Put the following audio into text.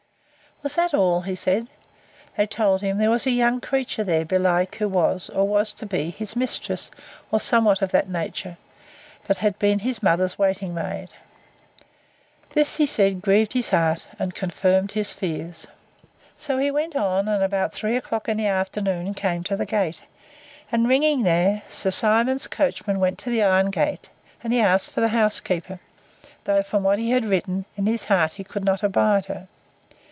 Was that all? he said. They told him, there was a young creature there, belike who was, or was to be, his mistress, or somewhat of that nature; but had been his mother's waiting maid. This, he said, grieved his heart, and confirmed his fears. So he went on, and about three o'clock in the afternoon came to the gate; and, ringing there, Sir Simon's coachman went to the iron gate; and he asked for the housekeeper; though, from what I had written, in his heart he could not abide her.